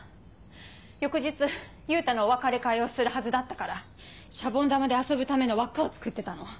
翌日優太のお別れ会をするはずだったからシャボン玉で遊ぶための輪っかを作ってたの。